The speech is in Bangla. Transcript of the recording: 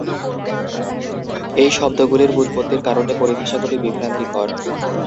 এই শব্দগুলির ব্যুৎপত্তির কারণে পরিভাষাগুলি বিভ্রান্তিকর।